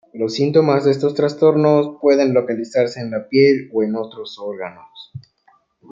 Los síntomas de estos trastornos pueden localizarse en la piel o en otros órganos.